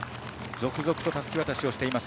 続々とたすき渡しをしています。